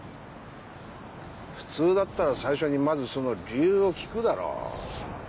普通だったら最初にまずその理由を聞くだろう。